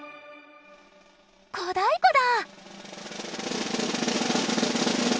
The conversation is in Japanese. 小太鼓だ！